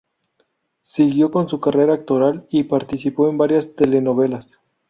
Siguió con su carrera actoral y participó en varias telenovelas.